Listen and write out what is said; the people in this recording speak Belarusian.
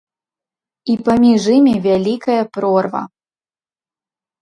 І паміж імі вялікая прорва.